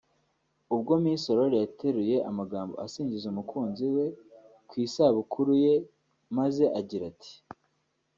ubwo Miss Aurore yateruye amagambo asingiza umukunzi we ku isabukuru ye maze agira ati